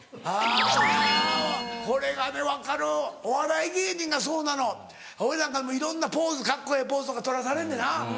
あぁこれがね分かるお笑い芸人がそうなの。俺なんかでもいろんなポーズカッコええポーズとか取らされんねな。